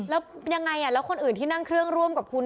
แล้วยังไงแล้วคนอื่นที่นั่งเครื่องร่วมกับคุณ